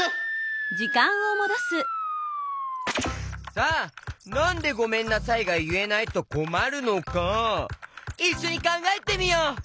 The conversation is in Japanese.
さあなんで「ごめんなさい」がいえないとこまるのかいっしょにかんがえてみよう！